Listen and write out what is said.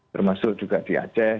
termasuk juga di aceh